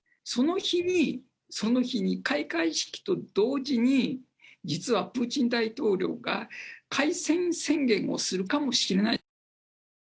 その日に、その日に開会式と同時に、実はプーチン大統領が開戦宣言をするかもしれない。